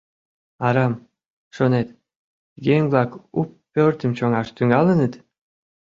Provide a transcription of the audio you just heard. Арам, шонет, еҥ-влак у пӧртым чоҥаш тӱҥалыныт?